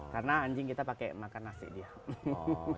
karena anjing kita pakai makan nasi dia